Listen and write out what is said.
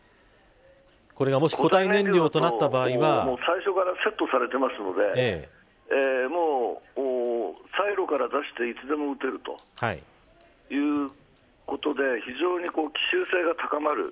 これがもし固体燃料となった場合は最初からセットされていますのでいつでも撃てるということで非常に奇襲性が高まる。